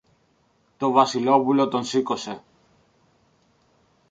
Το Βασιλόπουλο τον σήκωσε.